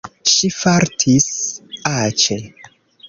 Ŝi fartis aĉe.